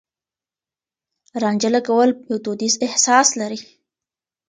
رانجه لګول يو دوديز احساس لري.